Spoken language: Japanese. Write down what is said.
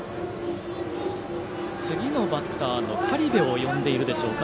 次のバッターの苅部を呼んでいるでしょうか。